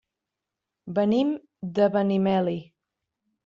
Venim de Benimeli.